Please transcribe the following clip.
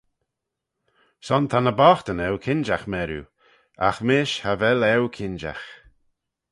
Son ta ny boghtyn eu kinjagh meriu, agh mish cha vel eu kinjagh.